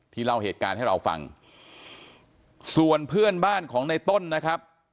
เล่าเหตุการณ์ให้เราฟังส่วนเพื่อนบ้านของในต้นนะครับ